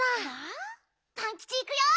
パンキチいくよ。